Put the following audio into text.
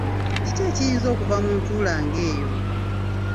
Kiki ekiyinza okuva mu ntuula ng’eyo?